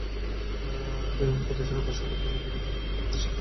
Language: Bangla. প্রতি শনিবার সকাল থেকে বিকেল পর্যন্ত পরিদর্শনের জন্য খোলা থাকে জাদুঘরটি।